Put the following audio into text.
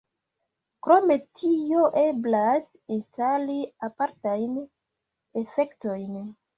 Krom tio eblas instali apartajn efektojn.